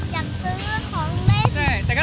อยากซื้อของเล่น